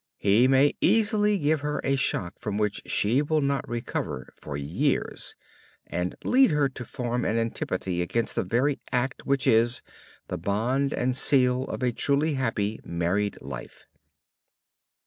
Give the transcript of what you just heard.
He may easily give her a shock from which she will not recover for years, and lead her to form an antipathy against the very act which is "the bond and seal of a truly happy married life."